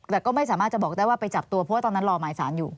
แต่ก็ไม่สามารถจะบอกได้ว่าไปจับตัวเพราะว่าตอนนั้นรอหมายสารอยู่